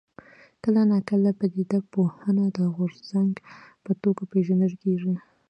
کله ناکله پدیده پوهنه د غورځنګ په توګه پېژندل کېږي.